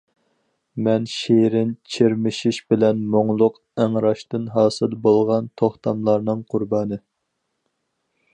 مەن شېرىن چىرمىشىش بىلەن مۇڭلۇق ئىڭراشتىن ھاسىل بولغان توختاملارنىڭ قۇربانى.